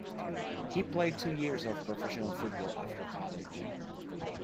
He played two years of professional football after college.